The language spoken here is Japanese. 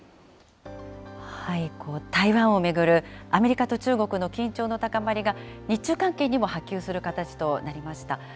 台湾を巡るアメリカと中国の緊張の高まりが、日中関係にも波及する形となりました。